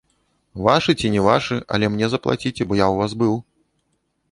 Вашы ці не вашы, але мне заплаціце, бо я ў вас быў.